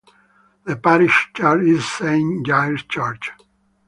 The Parish Church is Saint Giles's Church.